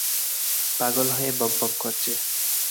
পাগল হয়ে বকবক করছে।